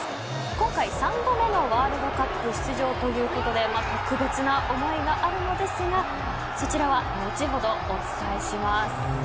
今回、３度目のワールドカップ出場ということで特別な思いがあるのですがそちらは後ほどお伝えします。